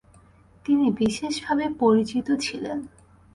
তিনি বিশেষভাবে পরিচিত ছিলেন।